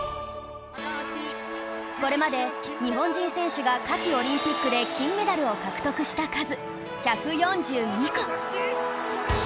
これまで日本人選手が夏季オリンピックで金メダルを獲得した数１４２個